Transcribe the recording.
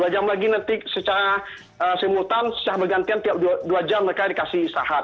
dua jam lagi nanti secara simultan secara bergantian tiap dua jam mereka dikasih sahat